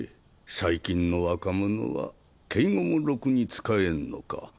最近の若者は敬語もろくに使えんのか。